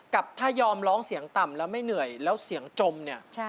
กับถ้ายอมร้องเสียงต่ำแล้วไม่เหนื่อยแล้วเสียงจมเนี่ย